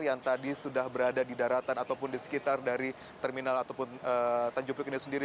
yang tadi sudah berada di daratan ataupun di sekitar dari terminal ataupun tanjung priuk ini sendiri